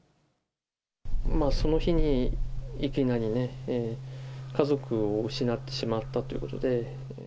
その日にいきなりね、家族を失ってしまったということで。